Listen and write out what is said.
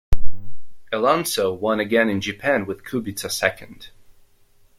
Alonso won again in Japan with Kubica second.